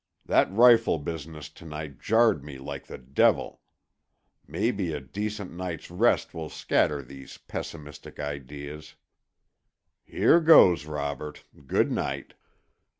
That rifle business to night jarred me like the devil. Maybe a decent night's rest will scatter these pessimistic ideas. Here goes, Robert; good night."